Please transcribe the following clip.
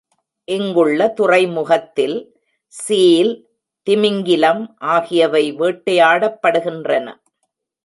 இங்குள்ள துறைமுகத்தில் சீல், திமிங்கிலம் ஆகியவை வேட்டையாடப்படுகின்றன.